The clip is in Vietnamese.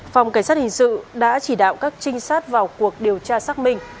phòng cảnh sát hình sự đã chỉ đạo các trinh sát vào cuộc điều tra xác minh